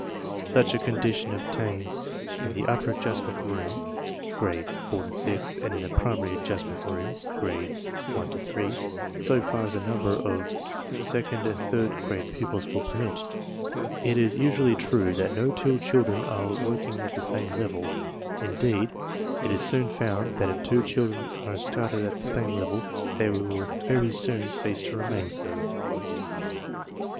Such a condition obtains in the Upper Adjustment Room (Grades 4 to 6), and in the Primary Adjustment Room (Grades 1 to 3) so far as the number of second and third grade pupils will permit. It is usually true 62 TESTS AND SCHOOL REORGANIZATION that no two children are working at the same level. In deed, it is soon found that if two children are started at the same level they will very soon cease to remain so.